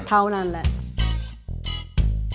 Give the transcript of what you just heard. เท่านั้นแหละ